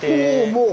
もう？